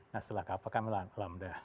nah setelah kappa kan lambda